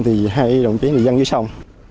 thì hai đồng chí thì dân dưới sông